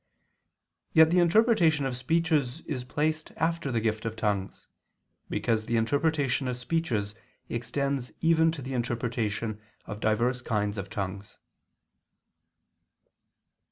Yet the interpretation of speeches is placed after the gift of tongues, because the interpretation of speeches extends even to the interpretation of divers kinds of tongues.